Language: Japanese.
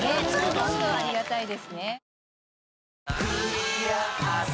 ホントありがたいですね。